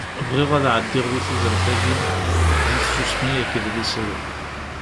Bɣiɣ ad ɛeddiɣ di tudert-agi di tsusmi akked liser.